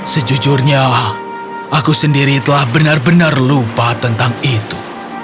sejujurnya aku sendiri telah benar benar lupa tentang itu